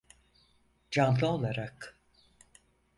Canlı olarak.